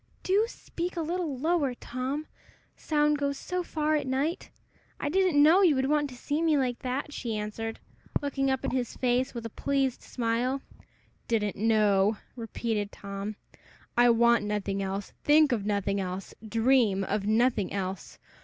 "Do speak a little lower, Tom: sound goes so far at night! I didn't know you would want to see me like that," she answered, looking up in his face with a pleased smile. "Didn't know!" repeated Tom. "I want nothing else, think of nothing else, dream of nothing else.